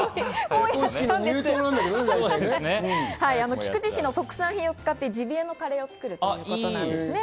菊池市の特産品を使ってカレーを作るということです。